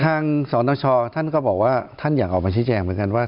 สนชท่านก็บอกว่าท่านอยากออกมาชี้แจงเหมือนกันว่า